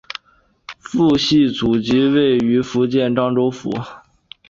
父系祖籍位于福建漳州府。